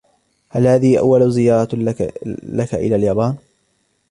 هل هذه أول زيارة لك إلى اليابان ؟